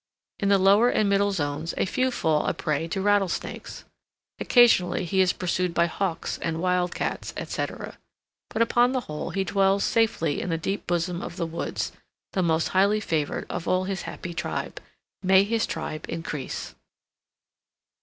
In the lower and middle zones a few fall a prey to rattlesnakes. Occasionally he is pursued by hawks and wildcats, etc. But, upon the whole, he dwells safely in the deep bosom of the woods, the most highly favored of all his happy tribe. May his tribe increase!